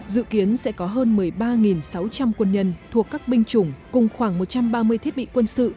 dự kiến sẽ có hơn một mươi ba sáu trăm linh quân nhân thuộc các binh chủng cùng khoảng một trăm ba mươi thiết bị quân sự